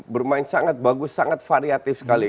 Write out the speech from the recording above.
bermain sangat bagus sangat variatif sekali